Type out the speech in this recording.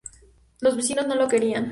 Los vecinos no lo querían.